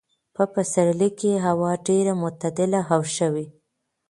په پسرلي کې هوا ډېره معتدله او ښه وي.